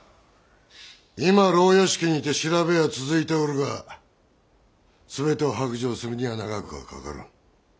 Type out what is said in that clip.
今牢屋敷にて調べは続いておるがすべてを白状するには長くはかからぬ。